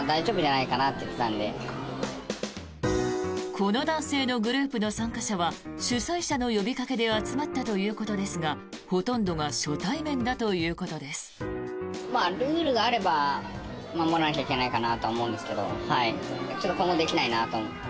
この男性のグループの参加者は主催者の呼びかけで集まったということですがほとんどが初対面だということです。